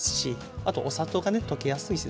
あとお砂糖がね溶けやすいですし